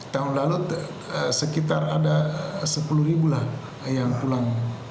tahun lalu sekitar ada sepuluh ribu lah yang pulang